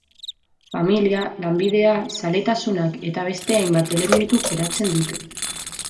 Familia, lanbidea, zaletasunak eta beste hainbat elementuk eratzen dute.